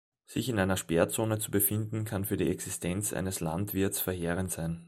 Sich in einer Sperrzone zu befinden, kann für die Existenz eines Landwirts verheerend sein.